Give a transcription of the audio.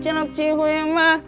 cilok cihoyama lima ratusan